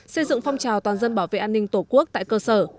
xây dựng phong trào toàn dân bảo vệ an ninh tổ quốc tại cơ sở